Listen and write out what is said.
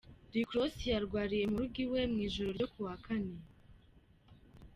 Rick Ross yarwariye mu rugo iwe mu ijoro ryo ku wa Kane.